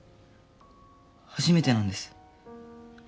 初めてなんです